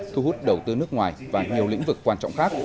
thu hút đầu tư nước ngoài và nhiều lĩnh vực quan trọng khác